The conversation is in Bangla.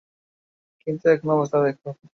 কিন্তু এখন অবস্থা দেখো!